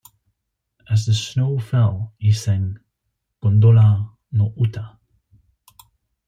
As the snow fell, he sang "Gondola no Uta".